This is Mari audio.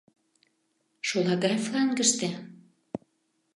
Шолагай флангыште?